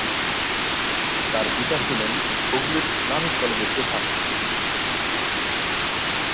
তার পিতা ছিলেন হুগলির ইসলামিক কলেজের প্রভাষক।